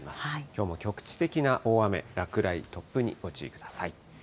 きょうも局地的な大雨、落雷、突風にご注意ください。